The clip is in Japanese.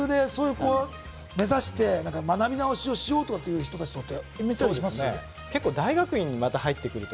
蟹江先生は大学で目指して学び直しをしようという人たちって、みたりします？